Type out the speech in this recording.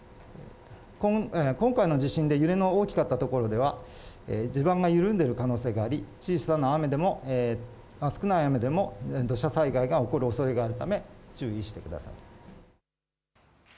今回の地震で揺れの大きかった所では、地盤が緩んでいる可能性があり、小さな雨でも、少ない雨でも土砂災害が起こるおそれがあるため注意してください。